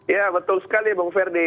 ya betul sekali bung ferdi